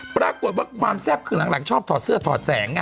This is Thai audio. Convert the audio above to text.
ปรากฏว่าความแซ่บคือหลังชอบถอดเสื้อถอดแสง